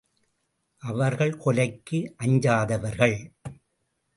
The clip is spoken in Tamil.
அவர்கள் கொலைக்கு அஞ்சாதவர்கள்.